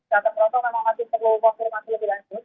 gatot broto memang masih perlu konfirmasi lebih lanjut